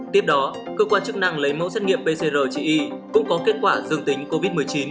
tiếp đó cơ quan chức năng lấy mẫu xét nghiệm pcr trị y cũng có kết quả dương tính covid một mươi chín